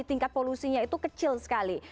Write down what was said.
tingkat polusinya itu kecil sekali